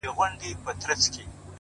د حقیقت منل عقل ته ځواک ورکوي,